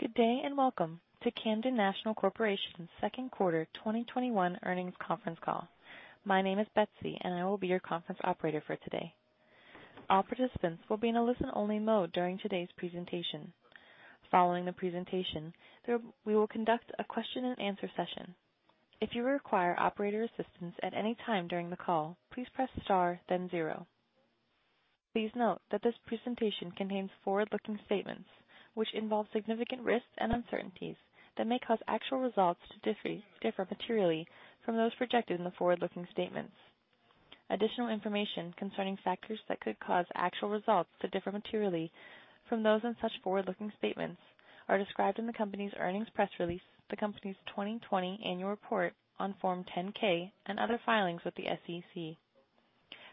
Good day, welcome to Camden National Corporation's second quarter 2021 earnings conference call. My name is Betsy, and I will be your conference operator for today. All participants will be in a listen-only mode during today's presentation. Following the presentation, we will conduct a question-and -answer session. If you require operator assistance at any time during the call, please press star then zero. Please note that this presentation contains forward-looking statements which involve significant risks and uncertainties that may cause actual results to differ materially from those projected in the forward-looking statements. Additional information concerning factors that could cause actual results to differ materially from those in such forward-looking statements are described in the company's earnings press release, the company's 2020 annual report on Form 10-K and other filings with the SEC.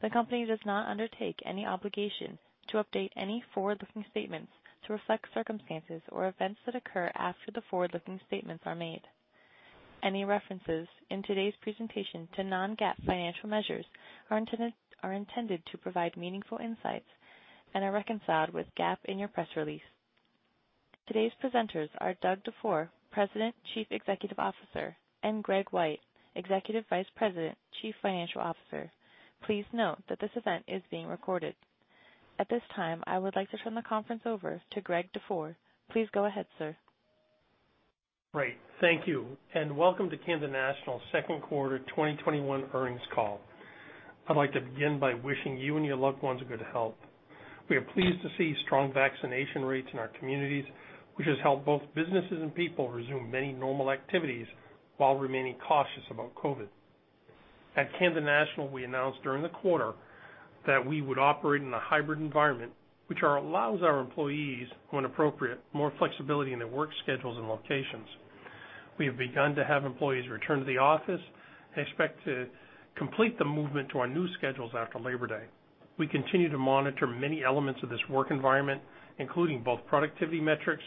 The company does not undertake any obligation to update any forward-looking statements to reflect circumstances or events that occur after the forward-looking statements are made. Any references in today's presentation to non-GAAP financial measures are intended to provide meaningful insights and are reconciled with GAAP in your press release. Today's presenters are Greg Dufour, President and Chief Executive Officer, and Gregory A. White, Executive Vice President, Chief Financial Officer. Please note that this event is being recorded. At this time, I would like to turn the conference over to Greg Dufour. Please go ahead, sir. Great. Thank you, and welcome to Camden National's second quarter 2021 earnings call. I'd like to begin by wishing you and your loved ones good health. We are pleased to see strong vaccination rates in our communities, which has helped both businesses and people resume many normal activities while remaining cautious about COVID. At Camden National, we announced during the quarter that we would operate in a hybrid environment, which allows our employees, when appropriate, more flexibility in their work schedules and locations. We have begun to have employees return to the office and expect to complete the movement to our new schedules after Labor Day. We continue to monitor many elements of this work environment, including both productivity metrics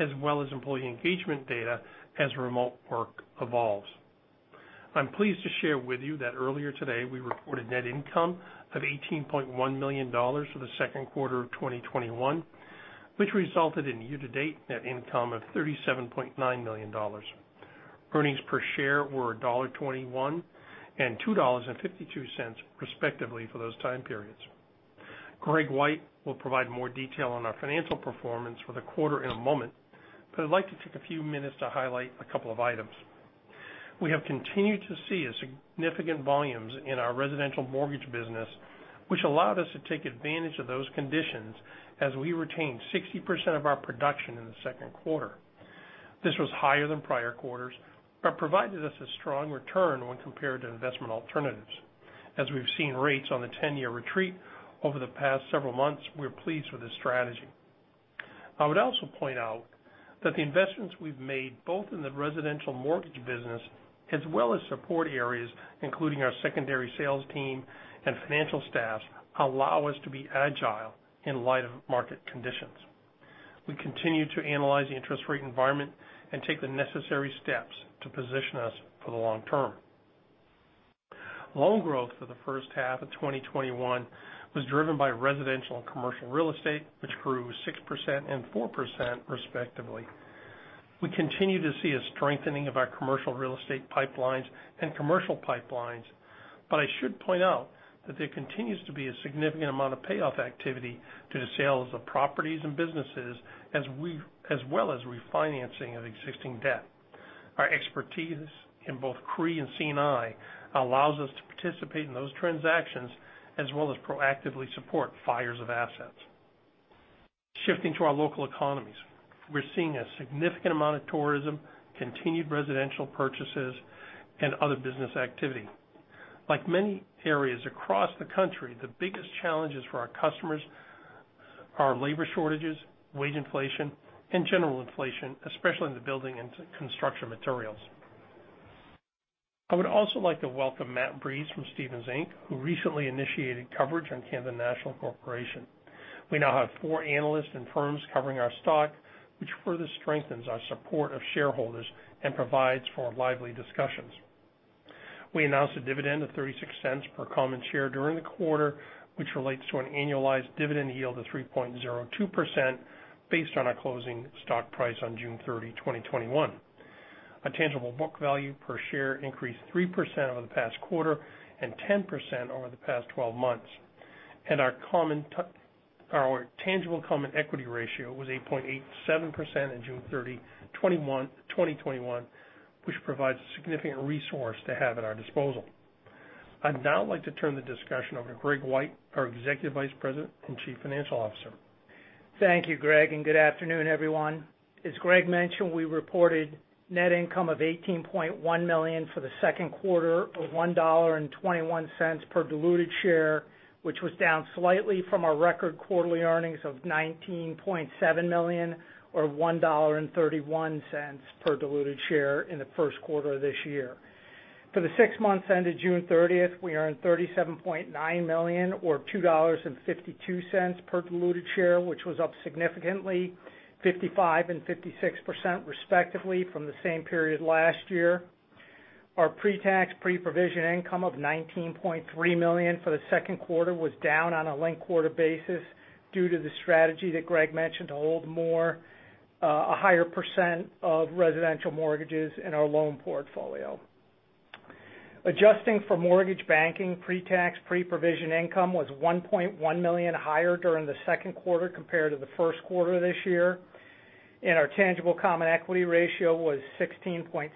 as well as employee engagement data as remote work evolves. I'm pleased to share with you that earlier today, we reported net income of $18.1 million for the second quarter of 2021, which resulted in year-to-date net income of $37.9 million. Earnings per share were $1.21 and $2.52 respectively for those time periods. Greg White will provide more detail on our financial performance for the quarter in a moment, but I'd like to take a few minutes to highlight a couple of items. We have continued to see significant volumes in our residential mortgage business, which allowed us to take advantage of those conditions as we retained 60% of our production in the second quarter. This was higher than prior quarters but provided us a strong return when compared to investment alternatives. As we've seen rates on the 10-year retreat over the past several months, we're pleased with this strategy. I would also point out that the investments we've made, both in the residential mortgage business as well as support areas, including our secondary sales team and financial staff, allow us to be agile in light of market conditions. We continue to analyze the interest rate environment and take the necessary steps to position us for the long term. Loan growth for the first half of 2021 was driven by residential and commercial real estate, which grew 6% and 4% respectively. We continue to see a strengthening of our commercial real estate pipelines and commercial pipelines, but I should point out that there continues to be a significant amount of payoff activity due to sales of properties and businesses as well as refinancing of existing debt. Our expertise in both CRE and C&I allows us to participate in those transactions as well as proactively support buyers of assets. Shifting to our local economies, we're seeing a significant amount of tourism, continued residential purchases, and other business activity. Like many areas across the country, the biggest challenges for our customers are labor shortages, wage inflation, and general inflation, especially in the building and construction materials. I would also like to welcome Matthew Breese from Stephens Inc., who recently initiated coverage on Camden National Corporation. We now have four analysts and firms covering our stock, which further strengthens our support of shareholders and provides for lively discussions. We announced a dividend of $0.36 per common share during the quarter, which relates to an annualized dividend yield of 3.02% based on our closing stock price on June 30th, 2021. Our tangible book value per share increased 3% over the past quarter and 10% over the past 12 months. Our tangible common equity ratio was 8.87% in June 30th, 2021, which provides a significant resource to have at our disposal. I'd now like to turn the discussion over to Greg White, our Executive Vice President and Chief Financial Officer. Thank you, Greg, and good afternoon, everyone. As Greg mentioned, we reported net income of $18.1 million for the second quarter of $1.21 per diluted share, which was down slightly from our record quarterly earnings of $19.7 million or $1.31 per diluted share in the first quarter of this year. For the six months ended June 30th, we earned $37.9 million or $2.52 per diluted share, which was up significantly, 55% and 56% respectively from the same period last year. Our pre-tax, pre-provision income of $19.3 million for the second quarter was down on a linked-quarter basis due to the strategy that Greg mentioned, to hold a higher percent of residential mortgages in our loan portfolio. Adjusting for mortgage banking, pre-tax, pre-provision income was $1.1 million higher during the second quarter compared to the first quarter of this year, and our tangible common equity ratio was 16.6%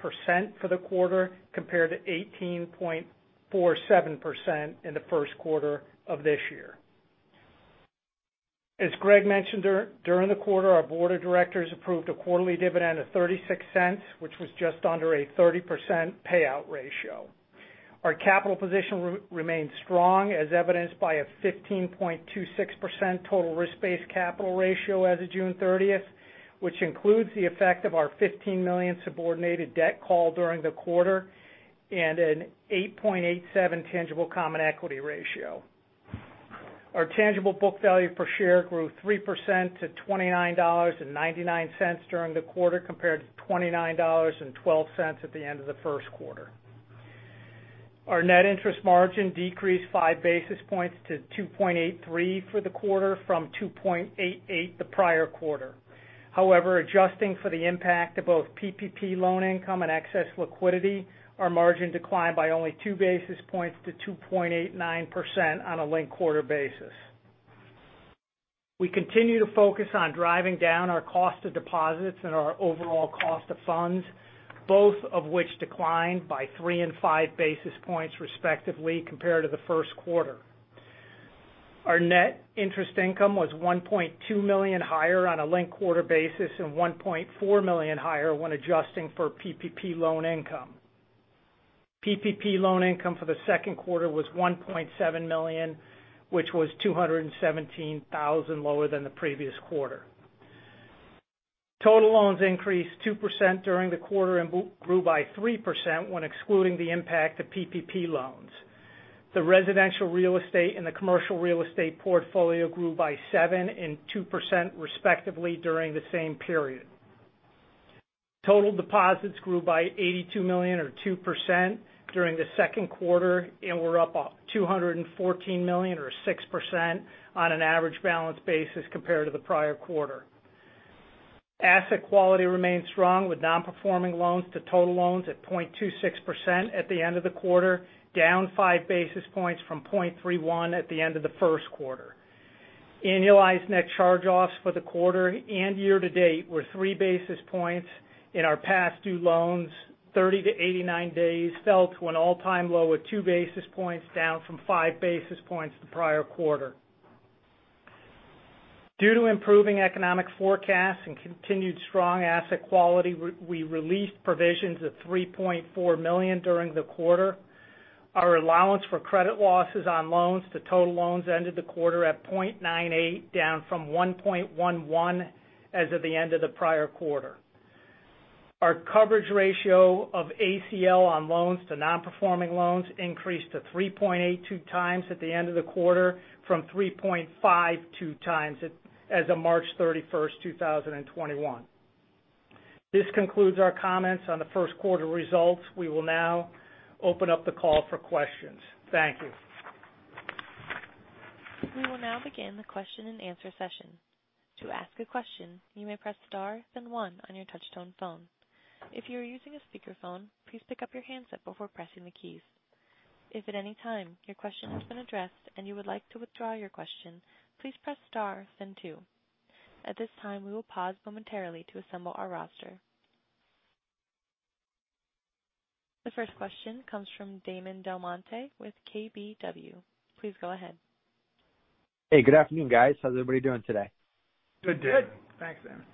for the quarter, compared to 18.47% in the first quarter of this year. As Greg mentioned, during the quarter, our board of directors approved a quarterly dividend of $0.36, which was just under a 30% payout ratio. Our capital position remains strong as evidenced by a 15.26% total risk-based capital ratio as of June 30th, which includes the effect of our $15 million subordinated debt call during the quarter, and an 8.87 tangible common equity ratio. Our tangible book value per share grew 3% to $29.99 during the quarter, compared to $29.12 at the end of the first quarter. Our net interest margin decreased 5 basis points to 2.83% for the quarter from 2.88% the prior quarter. Adjusting for the impact of both PPP loan income and excess liquidity, our margin declined by only 2 basis points to 2.89% on a linked-quarter basis. We continue to focus on driving down our cost of deposits and our overall cost of funds, both of which declined by 3 and 5 basis points respectively compared to the first quarter. Our net interest income was $1.2 million higher on a linked-quarter basis and $1.4 million higher when adjusting for PPP loan income. PPP loan income for the second quarter was $1.7 million, which was $217,000 lower than the previous quarter. Total loans increased 2% during the quarter and grew by 3% when excluding the impact of PPP loans. The residential real estate and the commercial real estate portfolio grew by 7% and 2% respectively during the same period. Total deposits grew by $82 million or 2% during the second quarter and were up $214 million or 6% on an average balance basis compared to the prior quarter. Asset quality remains strong, with non-performing loans to total loans at 0.26% at the end of the quarter, down 5 basis points from 0.31% at the end of the first quarter. Annualized net charge-offs for the quarter and year to date were 3 basis points, and our past due loans, 30 to 89 days, fell to an all-time low of 2 basis points, down from 5 basis points the prior quarter. Due to improving economic forecasts and continued strong asset quality, we released provisions of $3.4 million during the quarter. Our allowance for credit losses on loans to total loans ended the quarter at 0.98, down from 1.11 as of the end of the prior quarter. Our coverage ratio of ACL on loans to non-performing loans increased to 3.82x at the end of the quarter from 3.52x as of March 31st, 2021. This concludes our comments on the first quarter results. We will now open up the call for questions. Thank you. The first question comes from Damon DelMonte with KBW. Please go ahead. Hey, good afternoon, guys. How's everybody doing today? Good. Good. Thanks, Damon.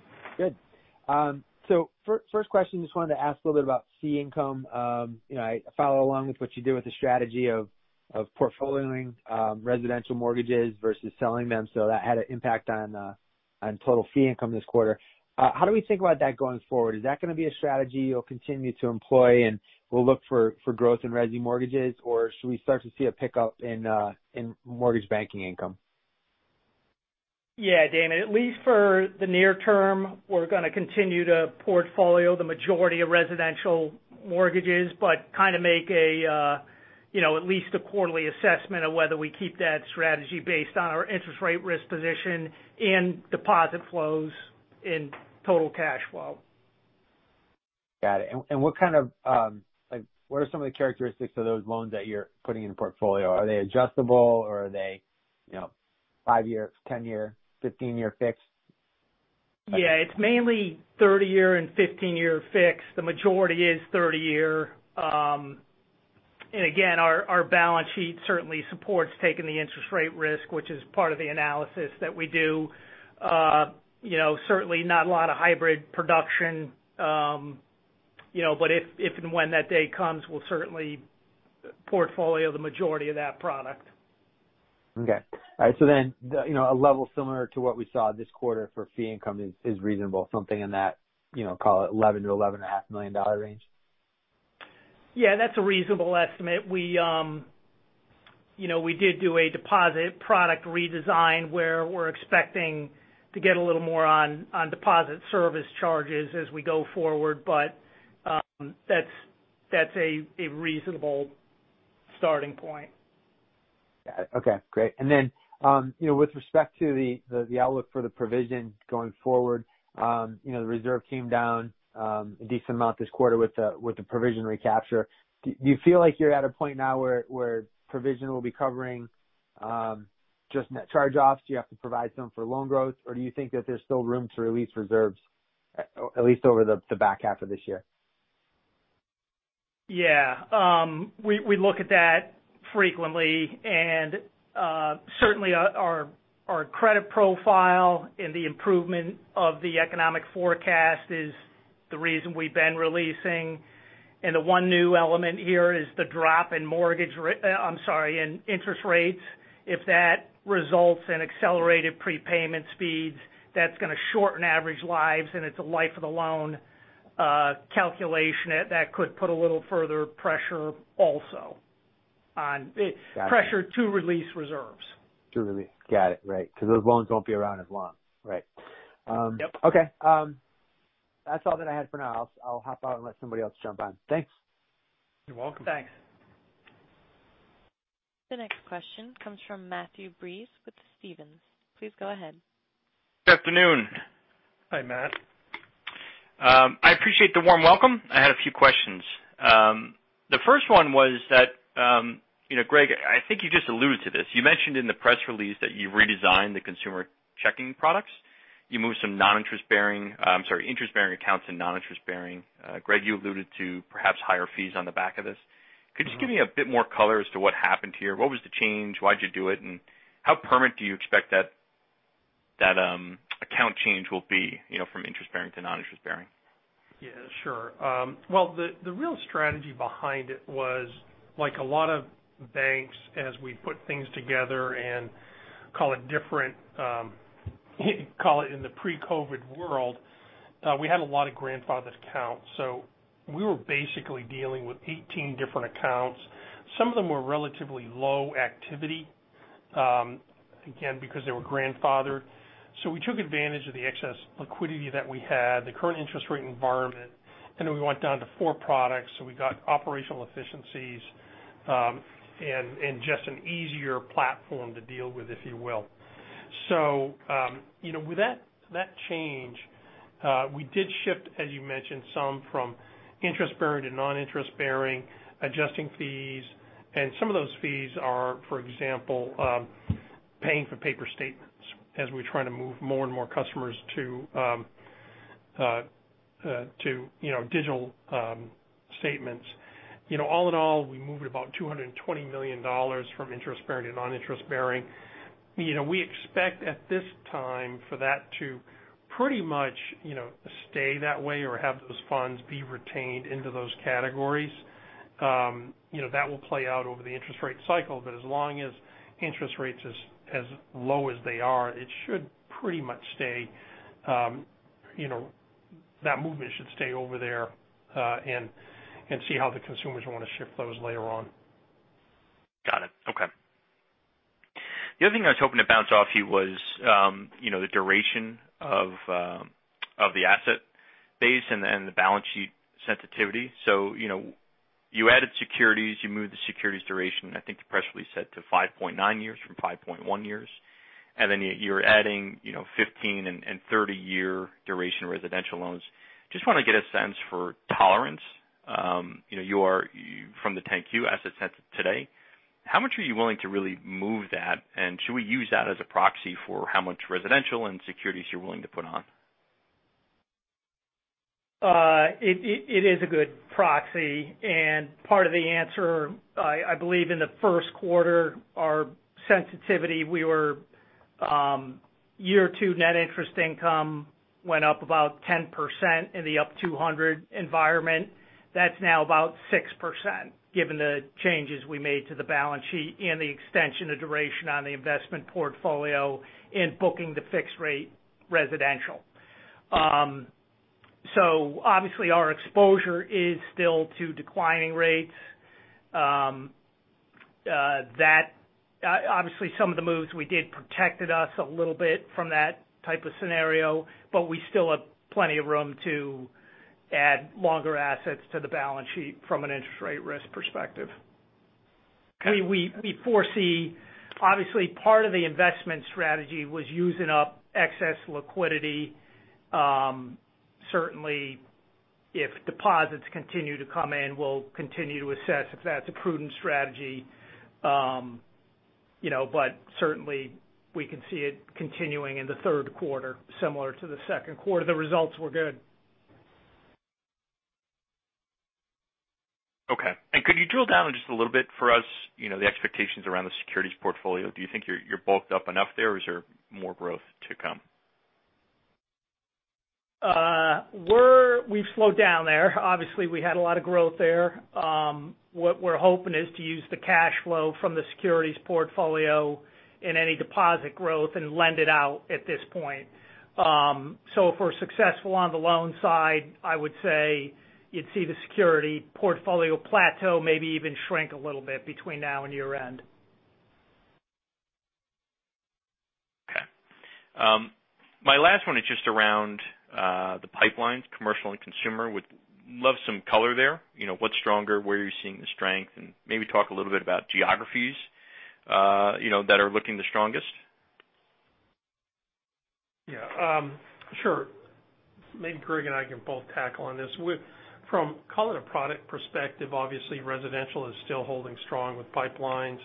Good. First question, just wanted to ask a little bit about fee income. I follow along with what you do with the strategy of portfolioing residential mortgages versus selling them. That had an impact on total fee income this quarter. How do we think about that going forward? Is that going to be a strategy you'll continue to employ and we'll look for growth in resi mortgages or should we start to see a pickup in mortgage banking income? Yeah, Damon, at least for the near term, we're going to continue to portfolio the majority of residential mortgages, but kind of make at least a quarterly assessment of whether we keep that strategy based on our interest rate risk position and deposit flows in total cash flow. Got it. What are some of the characteristics of those loans that you're putting in the portfolio? Are they adjustable or are they five-year, 10-year, 15-year fixed? Yeah, it's mainly 30 year and 15 year fixed. The majority is 30 year. Again, our balance sheet certainly supports taking the interest rate risk, which is part of the analysis that we do. Certainly not a lot of hybrid production, if and when that day comes, we'll certainly portfolio the majority of that product. Okay. All right. A level similar to what we saw this quarter for fee income is reasonable, something in that, call it $11 million-$11.5 million range? Yeah, that's a reasonable estimate. We did do a deposit product redesign where we're expecting to get a little more on deposit service charges as we go forward. That's a reasonable starting point. Got it. Okay, great. With respect to the outlook for the provision going forward, the reserve came down a decent amount this quarter with the provision recapture. Do you feel like you're at a point now where provision will be covering just net charge-offs? Do you have to provide some for loan growth, or do you think that there's still room to release reserves, at least over the back half of this year? Yeah. We look at that frequently, certainly our credit profile and the improvement of the economic forecast is the reason we've been releasing. The 1 new element here is the drop in interest rates. If that results in accelerated prepayment speeds, that's going to shorten average lives, and it's a life-of-the-loan calculation that could put a little further pressure also. Got it. Pressure to release reserves. To release. Got it. Right. Because those loans won't be around as long. Right. Yep. Okay. That's all that I had for now. I'll hop out and let somebody else jump on. Thanks. You're welcome. Thanks. The next question comes from Matthew Breese with Stephens. Please go ahead. Good afternoon. Hi, Matt. I appreciate the warm welcome. I had a few questions. The first one was that, Greg, I think you just alluded to this. You mentioned in the press release that you redesigned the consumer checking products. You moved some interest-bearing accounts and non-interest-bearing. Greg, you alluded to perhaps higher fees on the back of this. Could you just give me a bit more color as to what happened here? What was the change? Why'd you do it, and how permanent do you expect that account change will be from interest-bearing to non-interest-bearing? Yeah, sure. Well, the real strategy behind it was like a lot of banks as we put things together and call it in the pre-COVID world, we had a lot of grandfathered accounts. We were basically dealing with 18 different accounts. Some of them were relatively low activity, again, because they were grandfathered. We took advantage of the excess liquidity that we had, the current interest rate environment, and then we went down to four products. We got operational efficiencies, and just an easier platform to deal with, if you will. With that change, we did shift, as you mentioned, some from interest-bearing to non-interest-bearing adjusting fees. Some of those fees are, for example paying for paper statements as we try to move more and more customers to digital statements. All in all, we moved about $220 million from interest-bearing to non-interest-bearing. We expect at this time for that to pretty much stay that way or have those funds be retained into those categories. That will play out over the interest rate cycle, but as long as interest rates as low as they are, it should pretty much stay. That movement should stay over there, and see how the consumers want to shift those later on. Got it. Okay. The other thing I was hoping to bounce off you was the duration of the asset base and the balance sheet sensitivity. You added securities, you moved the securities duration, I think the press release said to 5.9 years from 5.1 years. Then you're adding 15 and 30-year duration residential loans. Just want to get a sense for tolerance. From the 10-Q asset sensitivity, how much are you willing to really move that? Should we use that as a proxy for how much residential and securities you're willing to put on? It is a good proxy and part of the answer, I believe in the first quarter, our sensitivity, we were year two net interest income went up about 10% in the up 200 basis points environment. That's now about 6% given the changes we made to the balance sheet and the extension of duration on the investment portfolio in booking the fixed rate residential. Obviously, our exposure is still to declining rates. Obviously, some of the moves we did protected us a little bit from that type of scenario, but we still have plenty of room to add longer assets to the balance sheet from an interest rate risk perspective. Obviously, part of the investment strategy was using up excess liquidity. Certainly, if deposits continue to come in, we'll continue to assess if that's a prudent strategy. Certainly, we can see it continuing in the third quarter, similar to the second quarter. The results were good. Okay. Could you drill down just a little bit for us the expectations around the securities portfolio? Do you think you're bulked up enough there, or is there more growth to come? We've slowed down there. Obviously, we had a lot of growth there. What we're hoping is to use the cash flow from the securities portfolio in any deposit growth and lend it out at this point. If we're successful on the loan side, I would say you'd see the security portfolio plateau maybe even shrink a little bit between now and year-end. Last one is just around the pipelines, commercial and consumer. Would love some color there. What's stronger, where are you seeing the strength? Maybe talk a little bit about geographies that are looking the strongest. Yeah. Sure. Maybe Greg and I can both tackle on this. From, call it, a product perspective, obviously residential is still holding strong with pipelines.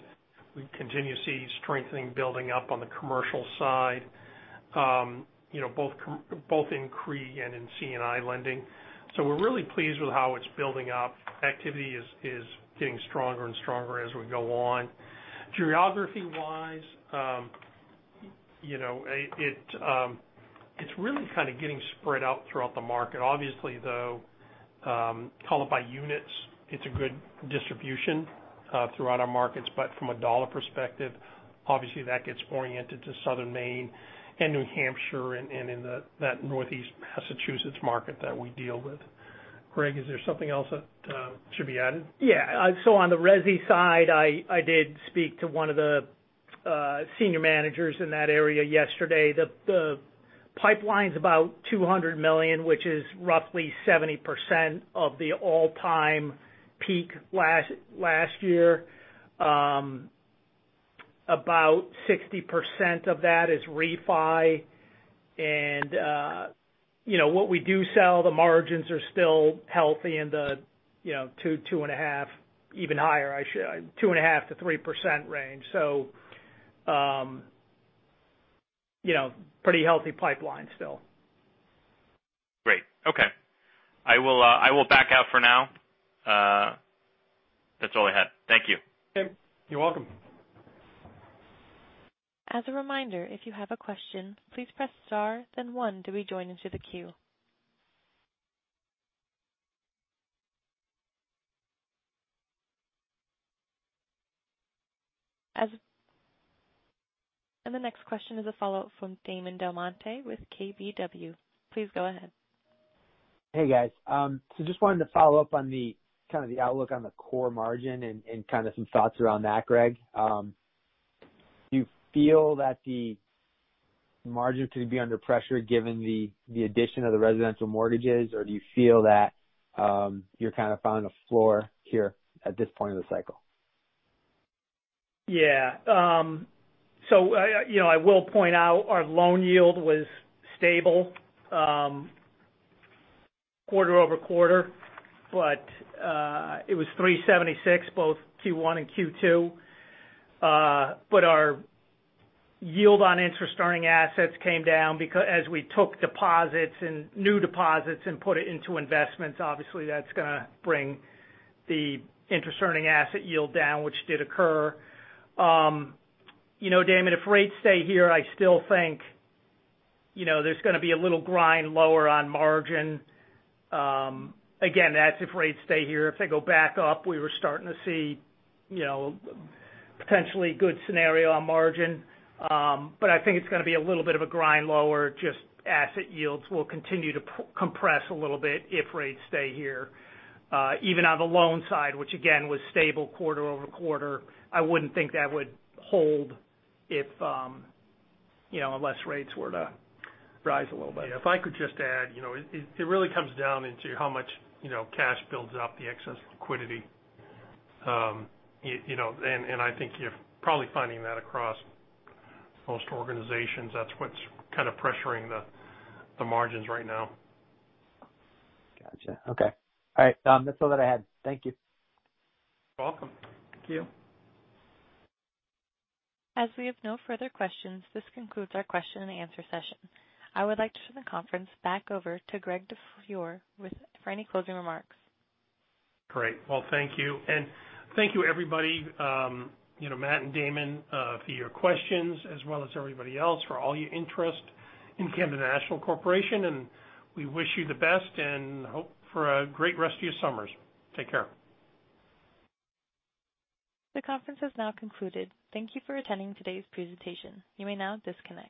We continue to see strengthening building up on the commercial side both in CRE and in C&I lending. We're really pleased with how it's building up. Activity is getting stronger and stronger as we go on. Geography-wise, it's really kind of getting spread out throughout the market. Obviously, though, call it by units, it's a good distribution throughout our markets. From a dollar perspective, obviously that gets oriented to Southern Maine and New Hampshire and in that Northeast Massachusetts market that we deal with. Greg, is there something else that should be added? On the resi side, I did speak to one of the senior managers in that area yesterday. The pipeline's about $200 million, which is roughly 70% of the all-time peak last year. About 60% of that is refi. What we do sell, the margins are still healthy in the 2.5%, even higher, I should say, 2.5% to 3% range. Pretty healthy pipeline still. Great. Okay. I will back out for now. That's all I had. Thank you. Okay. You're welcome. As a reminder, if you have a question, please press star then one to be joined into the queue. The next question is a follow-up from Damon DelMonte with KBW. Please go ahead. Hey, guys. Just wanted to follow up on the kind of the outlook on the core margin and kind of some thoughts around that, Greg. Do you feel that the margin could be under pressure given the addition of the residential mortgages? Or do you feel that you're kind of finding a floor here at this point in the cycle? Yeah. I will point out our loan yield was stable quarter-over-quarter, but it was 3.76%, both Q1 and Q2. Our yield on interest earning assets came down as we took deposits and new deposits and put it into investments. Obviously, that's going to bring the interest earning asset yield down, which did occur. Damon, if rates stay here, I still think there's going to be a little grind lower on margin. Again, that's if rates stay here. If they go back up, we were starting to see potentially good scenario on margin. I think it's going to be a little bit of a grind lower. Just asset yields will continue to compress a little bit if rates stay here. Even on the loan side, which again, was stable quarter-over-quarter, I wouldn't think that would hold unless rates were to rise a little bit. Yeah. If I could just add, it really comes down into how much cash builds up the excess liquidity. I think you're probably finding that across most organizations. That's what's kind of pressuring the margins right now. Gotcha. Okay. All right. That's all that I had. Thank you. You're welcome. Thank you. As we have no further questions, this concludes our question and answer session. I would like to turn the conference back over to Greg Dufour for any closing remarks. Great. Well, thank you. Thank you everybody, Matt and Damon for your questions, as well as everybody else for all your interest in Camden National Corporation. We wish you the best and hope for a great rest of your summers. Take care. The conference has now concluded. Thank you for attending today's presentation. You may now disconnect.